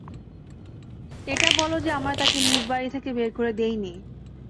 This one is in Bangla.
এটা বল যে আমরা তাকে নিজ বাড়ি থেকে বের করে দেই নি।